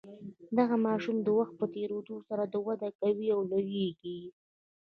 دغه ماشوم د وخت په تیریدو سره وده کوي او لوییږي.